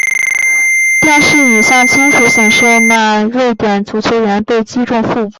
电视影像清楚显示那位瑞典足球员怎样被击中腹部。